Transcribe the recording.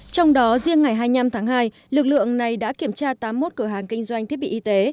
trong đó riêng ngày hai mươi năm tháng hai lực lượng này đã kiểm tra tám mươi một cửa hàng kinh doanh thiết bị y tế